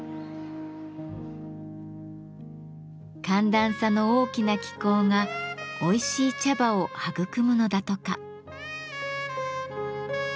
寒暖差の大きな気候がおいしい茶葉を育むのだとか。